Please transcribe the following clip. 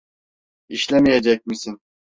İşlemeyecek misin?